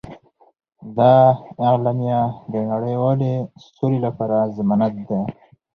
دا اعلامیه د نړیوالې سولې لپاره ضمانت دی.